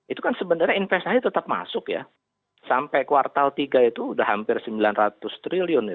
itu kan sebenarnya investasi tetap masuk ya sampai kuartal tiga itu sudah hampir sembilan ratus triliun